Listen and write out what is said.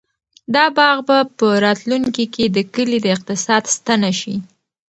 دا باغ به په راتلونکي کې د کلي د اقتصاد ستنه شي.